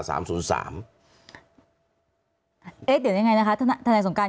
ก็เนี่ยเมื่อยังไงนะคะแทนนายสงกัล